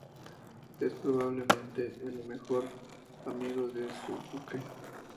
Es probablemente el mejor amigo de Sōsuke.